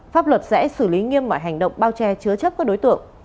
pháp luật sẽ xử lý nghiêm mọi hành động bao che chứa chấp các đối tượng